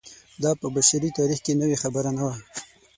دا په بشري تاریخ کې نوې خبره نه وه.